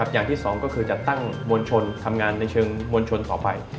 อย่างที่สองก็คือจัดตั้งมวลชนทำงานในเชิงมวลชนต่อไป